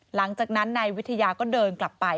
หลังจากนั้นนายวิทยาก็เดินกลับไป